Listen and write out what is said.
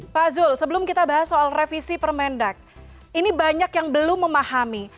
pak zul sebelum kita bahas soal revisi permendak ini banyak yang belum memahami